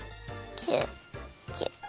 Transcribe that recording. キュッキュッ。